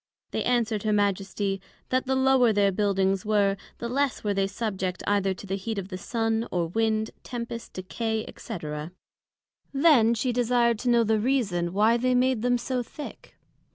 They answered her Majesty, That the lower their Buildings were, the less were they subject either to the heat of the Sun, or Wind, Tempest, Decay, &c. Then she desired to know the reason, why they made them so thick?